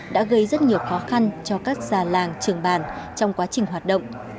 đã gây rất nhiều khó khăn cho các già làng trường bàn trong quá trình hoạt động